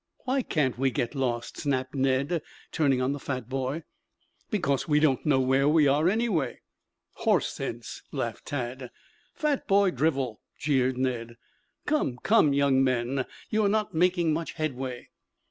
"Why can't we get lost?" snapped Ned turning on the fat boy. "Because we don't know where we are anyway." "Horse sense," laughed Tad. "Fat boy drivel," jeered Ned. "Come, come, young men. You are not making much headway."